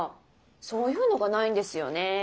そういうのがないんですよねー。